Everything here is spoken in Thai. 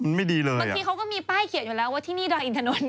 มันไม่ดีเลยบางทีเขาก็มีป้ายเขียนอยู่แล้วว่าที่นี่ดอยอินทนนท